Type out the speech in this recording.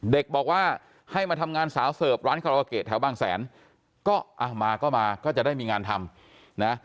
เด็กบอกว่าให้มาทำงานสาวเสิร์ฟร้านคาราโอเกะแถวบางแสนก็มาก็มาก็จะได้มีงานทำนะ